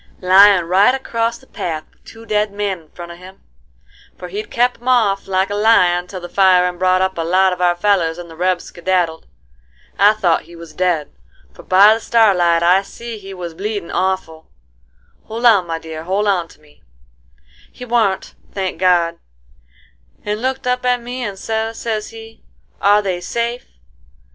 — "Lyin' right acrost the path with two dead men in front of him; for he'd kep 'em off like a lion till the firin' brought up a lot of our fellers and the rebs skedaddled. I thought he was dead, for by the starlight I see he was bleedin' awful,—hold on, my dear, hold on to me,—he warn't, thank God, and looked up at me and sez, sez he, 'Are they safe?